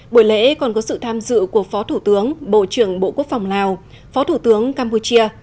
buổi lễ còn có sự tham dự của phó thủ tướng bộ trưởng bộ quốc phòng lào phó thủ tướng campuchia